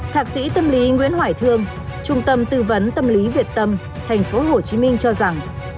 thạc sĩ tâm lý nguyễn hoài thương trung tâm tư vấn tâm lý việt tâm tp hcm cho rằng